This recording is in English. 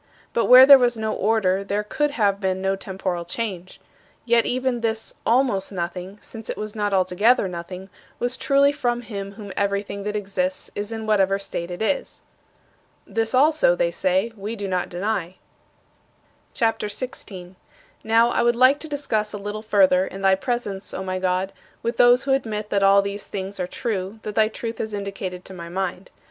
But where there was no order there could have been no temporal change. Yet even this 'almost nothing,' since it was not altogether nothing, was truly from him from whom everything that exists is in whatever state it is." "This also," they say, "we do not deny." CHAPTER XVI 23. Now, I would like to discuss a little further, in thy presence, O my God, with those who admit that all these things are true that thy Truth has indicated to my mind.